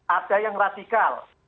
ada yang radikal